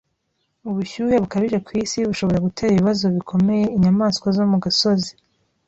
Ubushyuhe bukabije ku isi bushobora gutera ibibazo bikomeye inyamaswa zo mu gasozi.